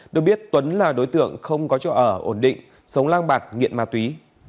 được biết tuấn là đối tượng không có chỗ ở ổn định sống lang bạc nghiện ma túy